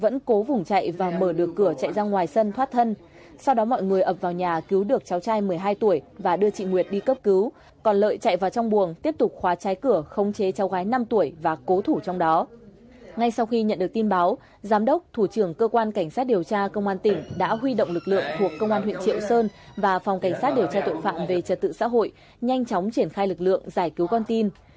ngay sau khi nhận được tin báo giám đốc thủ trưởng cơ quan cảnh sát điều tra công an tỉnh đã huy động lực lượng thuộc công an huyện triệu sơn và phòng cảnh sát điều tra tội phạm về trật tự xã hội nhanh chóng triển khai lực lượng giải cứu con tin